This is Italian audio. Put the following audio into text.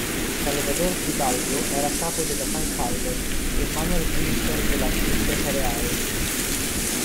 Salvador Fidalgo era a capo della "San Carlos", e Manuel Quimper della "Princesa Real".